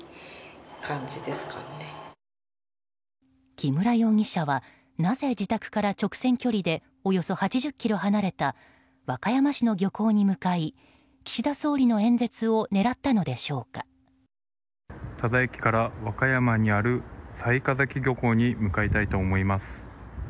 木村容疑者は、なぜ自宅から直線距離でおよそ８０ｋｍ離れた和歌山市の漁港に向かい岸田総理の演説を多田駅から和歌山にある雑賀崎漁港に向かいたいと思います。